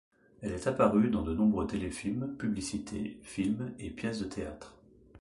Elle est apparue dans de nombreux téléfilms, publicités, films et pièces de théâtre.